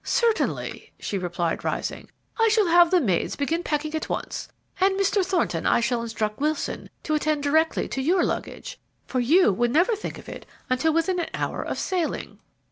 "Certainly," she replied, rising. "I shall have the maids begin packing at once; and, Mr. Thornton, I shall instruct Wilson to attend directly to your luggage, for you would never think of it until within an hour of sailing."